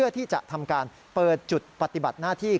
ที่จะทำการเปิดจุดปฏิบัติหน้าที่